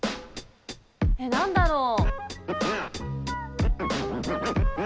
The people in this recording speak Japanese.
えっ何だろう？